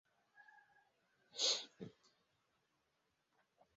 Maradon alimfunga kipa wa Uingrereza kwa kufunga